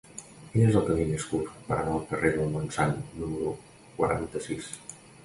Quin és el camí més curt per anar al carrer del Montsant número quaranta-sis?